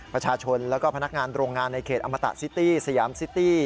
ประชาชนแล้วก็พนักงานโรงงานในเขตอมตะซิตี้สยามซิตี้